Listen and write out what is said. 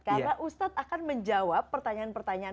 karena ustad akan menjawab pertanyaan pertanyaan